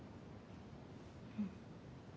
うん。